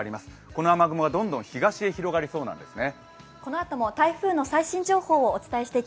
この雨雲がどんどん東へ広がりそうなんですね。